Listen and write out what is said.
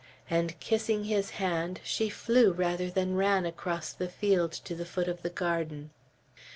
And kissing his hand, she flew rather than ran across the field to the foot of the garden.